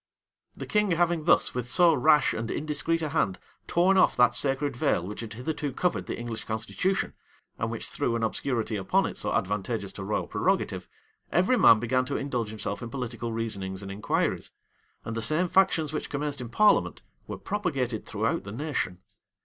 The king having thus, with so rash and indiscreet a hand, torn off that sacred veil which had hitherto covered the English constitution, and which threw an obscurity upon it so advantageous to royal prerogative, every man began to indulge himself in political reasonings and inquiries; and the same factions which commenced in parliament, were propagated throughout the nation.